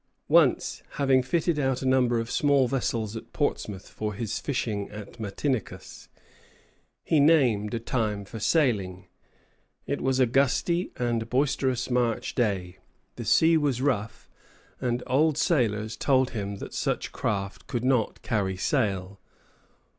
Once, having fitted out a number of small vessels at Portsmouth for his fishing at Matinicus, he named a time for sailing. It was a gusty and boisterous March day, the sea was rough, and old sailors told him that such craft could not carry sail.